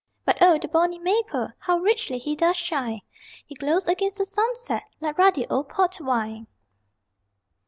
But O the bonny maple How richly he does shine! He glows against the sunset Like ruddy old port wine.